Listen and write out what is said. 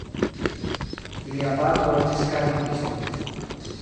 Ilia patro estis karbigisto.